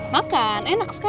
makan enak sekali